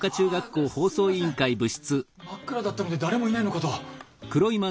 真っ暗だったので誰もいないのかと。